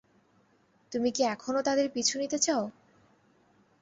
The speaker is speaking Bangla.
তুমি কি এখনো তাদের পিছু নিতে চাও?